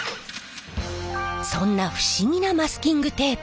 そんな不思議なマスキングテープ。